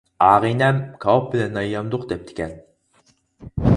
ئاغىنەم كاۋاپ بىلەن نان يەمدۇق دەپتىكەن.